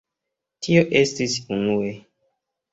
Tio estis unue.